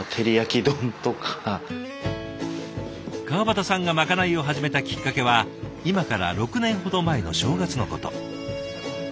川端さんがまかないを始めたきっかけは今から６年ほど前の正月のこと。